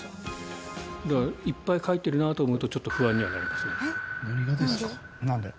いっぱい書いてるなと思うとちょっと不安にはなりますね。